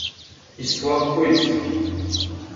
Histoires poétiques.